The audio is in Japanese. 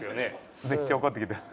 めっちゃ怒ってきてる。